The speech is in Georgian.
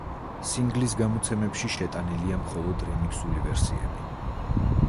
სინგლის გამოცემებში შეტანილია მხოლოდ რემიქსული ვერსიები.